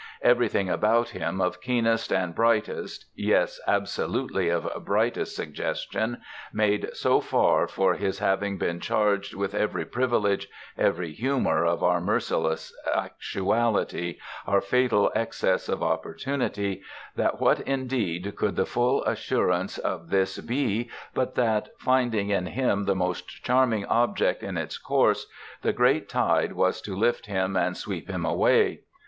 Everything about him of keenest and brightest (yes, absolutely of brightest) suggestion made so for his having been charged with every privilege, every humour, of our merciless actuality, our fatal excess of opportunity, that what indeed could the full assurance of this be but that, finding in him the most charming object in its course, the great tide was to lift him and sweep him away?